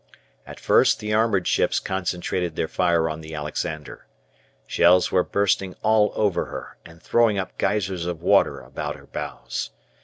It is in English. At first the armoured ships concentrated their fire on the "Alexander." Shells were bursting all over her, and throwing up geysers of water about her bows.